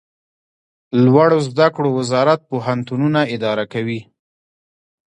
لوړو زده کړو وزارت پوهنتونونه اداره کوي